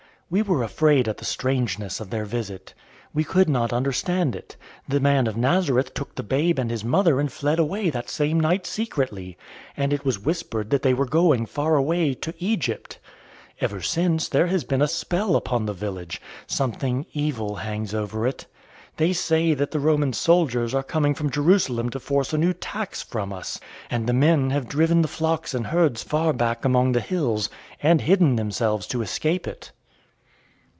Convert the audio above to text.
We were afraid at the strangeness of their visit. We could not understand it. The man of Nazareth took the babe and his mother and fled away that same night secretly, and it was whispered that they were going far away to Egypt. Ever since, there has been a spell upon the village; something evil hangs over it. They say that the Roman soldiers are coming from Jerusalem to force a new tax from us, and the men have driven the flocks and herds far back among the hills, and hidden themselves to escape it."